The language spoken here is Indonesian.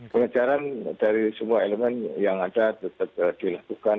pengejaran dari semua elemen yang ada tetap dilakukan